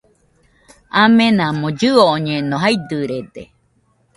Amenamo llɨoñeno, jaidɨrede